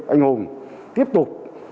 anh hùng tiếp tục